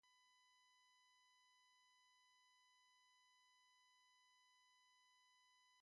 The club initially played at Southwark Sports Ground in Dulwich.